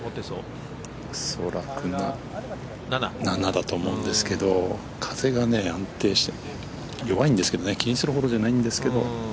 恐らく７だと思うんですけど風が安定して、弱いんですけど気にするほどじゃないんですけど。